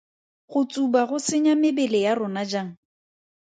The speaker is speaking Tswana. Go tsuba go senya mebele ya rona jang?